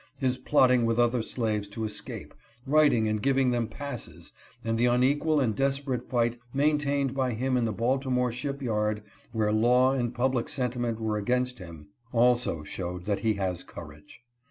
His plotting with other slaves to escape, writing and giving them passes, and the unequal and desperate fight main tained by him in the Baltimore ship yard, where law and public INTRODUCTION. 23 sentiment were against him, also show that he has courage.